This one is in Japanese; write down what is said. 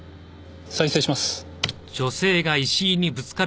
再生します。